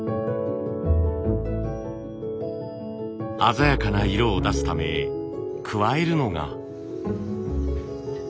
鮮やかな色を出すため加えるのが。